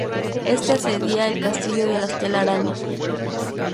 Este asedia el castillo de las telarañas.